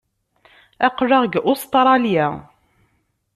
Aql-aɣ deg Ustṛalya.